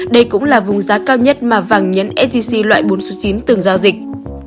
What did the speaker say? đây cũng là vùng giá cao nhất mà vàng nhẫn sec loại bốn mươi chín từng giao dịch